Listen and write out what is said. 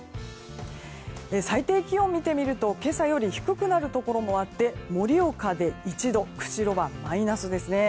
最低気温を見てみると今朝より低くなるところもあって盛岡で１度釧路はマイナスですね。